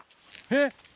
えっ。